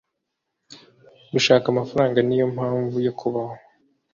gushaka amafaranga niyo mpamvu yo kubaho